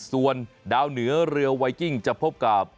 ส่วนดาวเหนือเรือไวกิ้งจะพบกับ